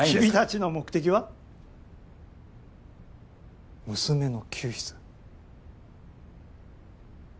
君たちの目的は娘の救出。